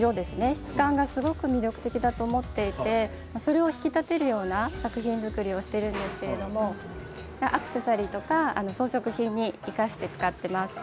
質感が、すごく魅力的だと思っていてそれを引き立てるような作品作りをしているんですけれどもアクセサリーとか装飾品に生かして使っています。